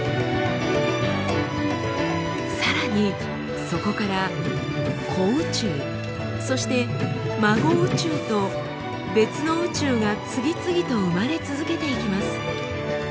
さらにそこから子宇宙そして孫宇宙と別の宇宙が次々と生まれ続けていきます。